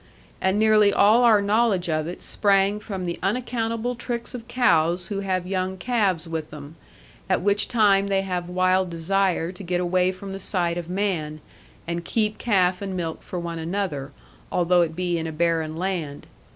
And nearly all our knowledge of it sprang from the unaccountable tricks of cows who have young calves with them; at which time they have wild desire to get away from the sight of man, and keep calf and milk for one another, although it be in a barren land.